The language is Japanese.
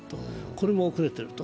これも遅れていると。